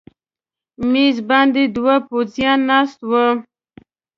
مېز باندې دوه پوځیان ناست و.